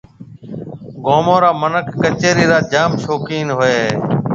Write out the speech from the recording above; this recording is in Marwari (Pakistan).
گومون را مِنک ڪچيرِي را جام شوقين ھوئيَ ھيََََ